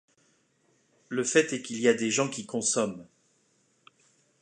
Le fait est qu’il y a des gens qui consomment.